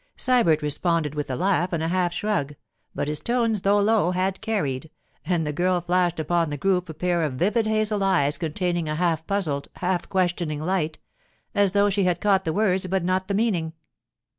Sybert responded with a laugh and a half shrug; but his tones, though low, had carried, and the girl flashed upon the group a pair of vivid hazel eyes containing a half puzzled, half questioning light, as though she had caught the words but not the meaning.